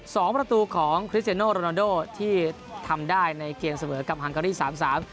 สองประตูของคริสเจโนโรนาโดที่ทำได้ในเกมเสมอกับฮังการี่สามสาม